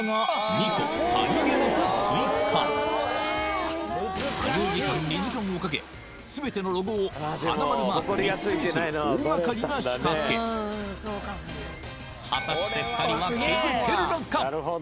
２時間をかけ全てのロゴをはなまるマーク３つにする大がかりな仕掛け果たして２人は気づけるのか？